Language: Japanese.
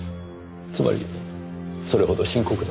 つまりそれほど深刻だと？